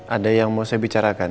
ada yang mau saya bicarakan